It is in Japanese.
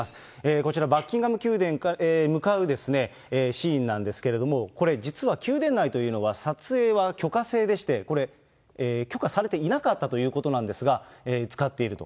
こちら、バッキンガム宮殿に向かうシーンなんですけれども、これ実は、宮殿内というのは撮影は許可制でして、これ、許可されていなかったということなんですが、使っていると。